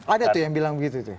ada tuh yang bilang begitu tuh